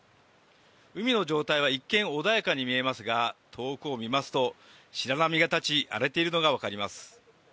海の状態は一見、穏やかに見えますが遠くを見ますと白波が立ち荒れているのが分かります。